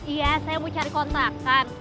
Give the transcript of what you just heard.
iya saya mau cari kontakan